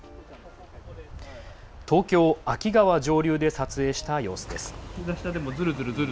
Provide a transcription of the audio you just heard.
東京・秋川上流で撮影した様子です。